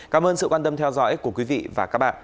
cảm ơn sự quan tâm theo dõi của quý vị và các bạn